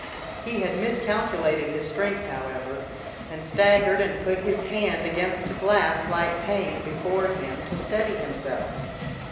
He had miscalculated his strength, however, and staggered and put his hand against the glass like pane before him to steady himself.